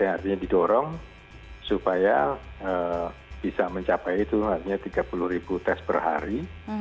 artinya didorong supaya bisa mencapai itu artinya tiga puluh ribu tes per hari